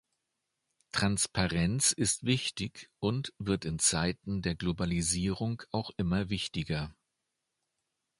Transparenz ist wichtig und wird in Zeiten der Globalisierung auch immer wichtiger.